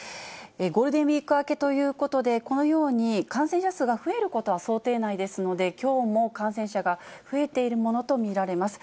ゴールデンウィーク明けということで、このように感染者数が増えることは想定内ですので、きょうも感染者が増えているものと見られます。